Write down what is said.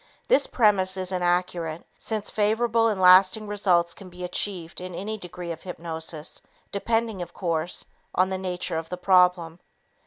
This premise is inaccurate since favorable and lasting results can be achieved in any degree of hypnosis, depending, of course, on the nature of the problem.